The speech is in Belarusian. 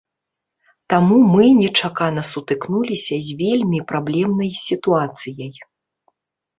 Таму мы нечакана сутыкнуліся з вельмі праблемнай сітуацыяй.